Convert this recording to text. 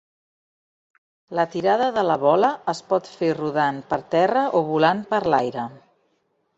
La tirada de la bola es pot fer rodant per terra o volant per l'aire.